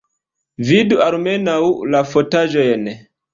Vidu almenaŭ la fotaĵojn!